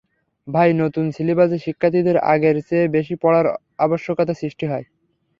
তাই নতুন সিলেবাসে শিক্ষার্থীদের আগের চেয়ে বেশি পড়ার আবশ্যকতা সৃষ্টি হয়।